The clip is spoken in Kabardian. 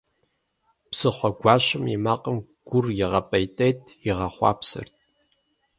Псыхъуэгуащэм и макъым гур игъэпӏейтейт, игъэхъупсэрт.